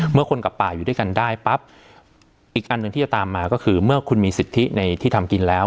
เมื่อคนกับป่าอยู่ด้วยกันได้ปั๊บอีกอันหนึ่งที่จะตามมาก็คือเมื่อคุณมีสิทธิในที่ทำกินแล้ว